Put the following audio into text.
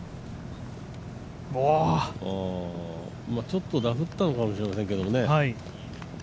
ちょっとダフったのかもしれませんね。